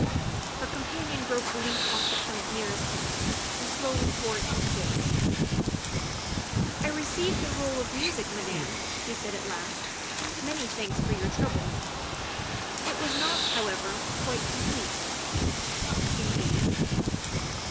Her companion broke a leaf off the plant nearest him and slowly tore it into bits. " I received the roll of music, Madame," he said at last, " many thanks for your trouble. It was not, how ever, quite complete." "Indeed?"